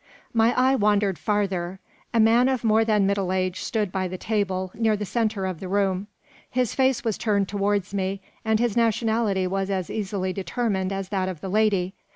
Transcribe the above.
My eye wandered farther. A man of more than middle age stood by the table, near the centre of the room. His face was turned towards me, and his nationality was as easily determined as that of the lady.